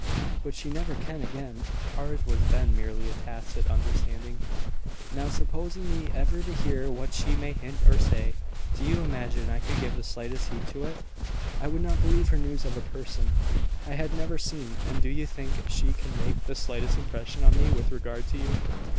"But she never can again. Ours was then merely a tacit understanding. Now, supposing me ever to hear what she may hint or say, do you imagine I should give the slightest heed to it? I would not believe her news of a person I had never seen; and do you think she can make the slightest impression on me with regard to you."